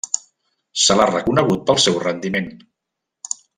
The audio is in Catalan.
Se l'ha reconegut pel seu rendiment.